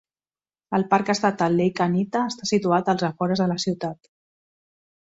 El parc estatal Lake Anita està situat als afores de la ciutat.